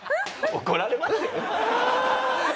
怒られますよ。